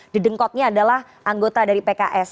didengkotnya adalah anggota dari pks